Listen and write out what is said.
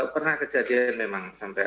pernah kejadian memang sampai